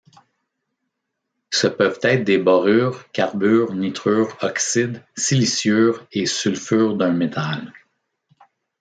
Ce peuvent être des borures, carbures, nitrures, oxydes, siliciures et sulfures d'un métal.